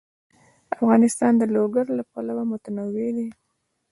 افغانستان د لوگر له پلوه متنوع دی.